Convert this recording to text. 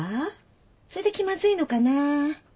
それで気まずいのかな？